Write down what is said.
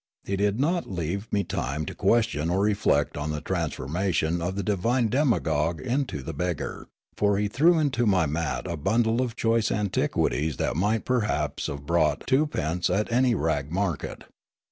He did not leave me time to question or reflect on the transformation of the divine demagogue into the beggar, for he threw into my mat a bundle of choice antiquities that might perhaps have brought twopence in any rag market.